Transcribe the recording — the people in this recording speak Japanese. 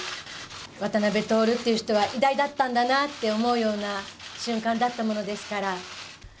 渡辺徹っていう人は偉大だったんだなって思うような瞬間だったものですから。